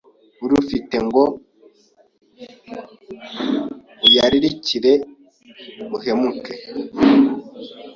urufi te, ngo uyaririkire uhemuke